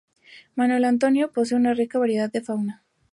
Manuel Antonio posee una rica variedad de fauna.